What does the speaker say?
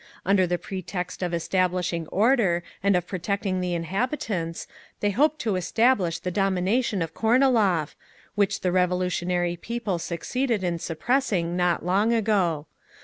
Under the pretext of establishing order, and of protecting the inhabitants, they hope to establish the domination of Kornilov, which the revolutionary people succeeded in suppressing not long ago.